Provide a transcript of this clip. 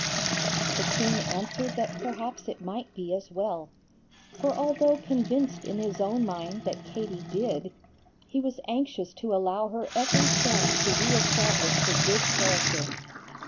The king answered that perhaps it might be as well; for although convinced in his own mind that Katie did, he was anxious to allow her every chance to re establish her good character.